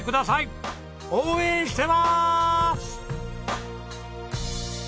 応援してまーす！